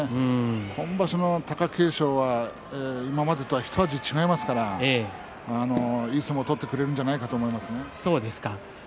今場所の貴景勝は今までとはひと味違いますからいい相撲を取ってくれるんじゃないかと思いますね。